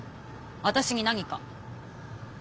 私に何か？